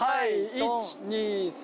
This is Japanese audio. １２３。